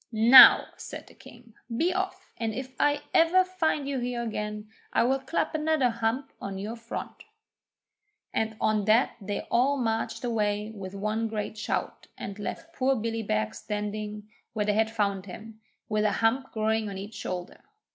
'Now,' said the King, 'be off, and if ever I find you here again, I will clap another hump on to your front!' And on that they all marched away with one great shout, and left poor Billy Beg standing where they had found him, with a hump growing on each shoulder.